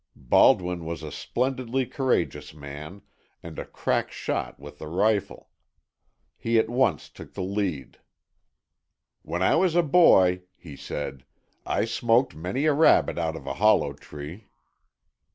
Baldwin was a splendidly courageous man, and a crack shot with the rifle. He at once took the lead. "When I was a boy," he said, "I smoked many a rabbit out of a hollow tree."